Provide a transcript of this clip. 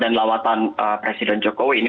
dan lawatan presiden jokowi